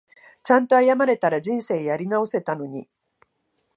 ちゃんと謝れたら人生やり直せたのに